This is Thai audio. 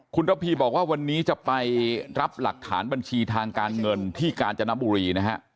คุณระพีบอกว่าวันนี้จะไปรับหลักฐานบัญชีทางการเงินที่กาญจนบุรีนะฮะ